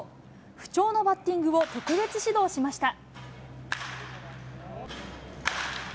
不調のバッティングを特別指導しました。